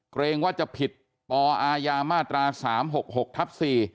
เกรงว่าจะผิดปอม๓๖๖ทัพ๔